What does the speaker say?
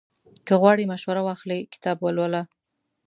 که غواړې مشوره واخلې، کتاب ولوله.